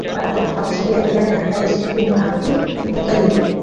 তারা হলেন Abu Sufyan ibn Harith ibn Abdul Muttalib.